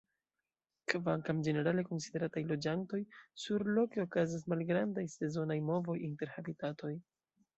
Kvankam ĝenerale konsiderataj loĝantoj, surloke okazas malgrandaj sezonaj movoj inter habitatoj.